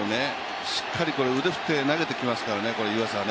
しっかり腕振って投げてきますからね、湯浅は。